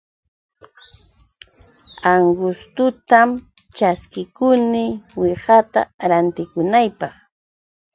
Anqusutam ćhaskiruni qiwata rantikunaypaq.